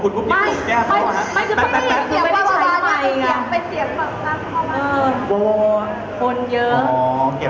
ไม่มันเป็นเสียงมาก